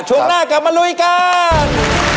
ช่วงหน้ากลับมาลุยกัน